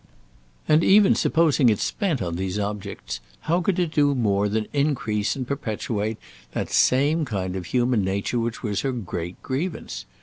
And even supposing it spent on these objects, how could it do more than increase and perpetuate that same kind of human nature which was her great grievance?